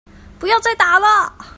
不要再打了